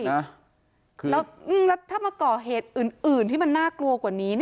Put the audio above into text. แล้วถ้ามาก่อเหตุอื่นที่มันน่ากลัวกว่านี้